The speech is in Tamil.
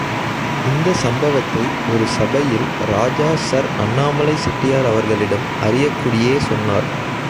இந்தச் சம்பவத்தை ஒரு சபையில் ராஜா சர் அண்ணாலை செட்டியார் அவர்களிடம் அரியக்குடியே சொன்னார்.